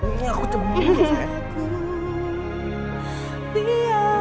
ini aku temuin ya